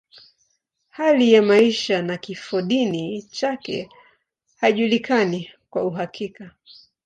Hali ya maisha na kifodini chake haijulikani kwa uhakika.